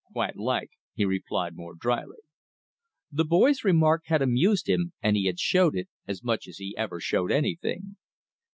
"Quite like," he replied still more dryly. The boy's remark had amused him, and he had showed it, as much as he ever showed anything.